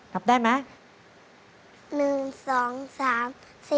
รับได้ไหม